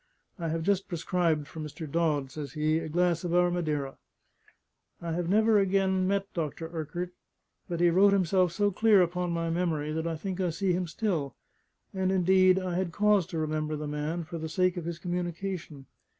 "I have just prescribed for Mr. Dodd," says he, "a glass of our Madeira." I have never again met Dr. Urquart: but he wrote himself so clear upon my memory that I think I see him still. And indeed I had cause to remember the man for the sake of his communication.